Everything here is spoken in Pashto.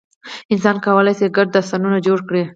انسان کولی شي ګډ داستانونه جوړ کړي.